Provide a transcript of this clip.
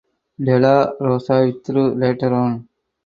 Dela Rosa withdrew later on.